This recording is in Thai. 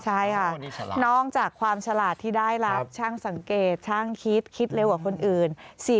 ใช่ค่ะนอกจากความฉลาดที่ได้รับช่างสังเกตช่างคิดคิดเร็วกว่าคนอื่น